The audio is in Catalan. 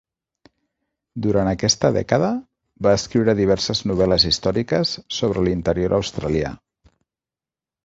Durant aquesta dècada, va escriure diverses novel·les històriques sobre l'interior australià.